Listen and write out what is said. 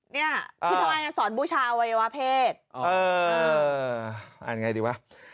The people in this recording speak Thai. เนี้ยอ่าพี่ทำลายกันสอนบูชาวัยวะเพศเออเอออ่านไงดีวะ